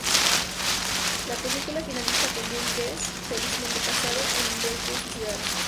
La película finaliza con "James Guest" felizmente casado, en vez de suicidarse.